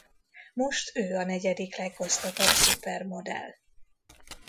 Most ő a negyedik leggazdagabb szupermodell.